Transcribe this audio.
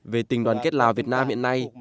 về tình đoàn kết lào việt nam hiện nay